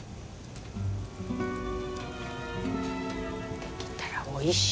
出来たらおいしい。